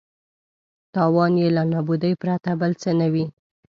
تاوان یې له نابودۍ پرته بل څه نه وي.